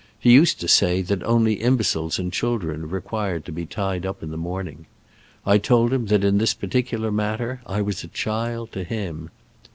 He used to say that only imbeciles and children required to be tied up in the morning. I told him that in this particular matter I was a child to him.